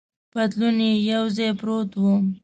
پتلون یې یو ځای پروت و.